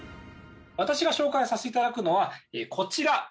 私が紹介させていただくのはこちら。